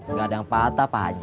enggak ada yang patah pak haji